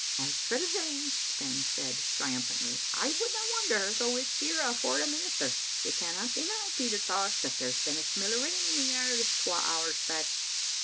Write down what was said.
"As for the rain," Spens said, triumphantly, "I wouldna wonder though it's here afore the minister. You canna deny, Peter Tosh, that there's been a smell o' rain in the air thi^ twa hours back."